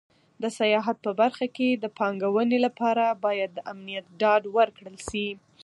د سیاحت په برخه کې د پانګونې لپاره باید د امنیت ډاډ ورکړل شي.